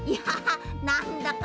なんだか。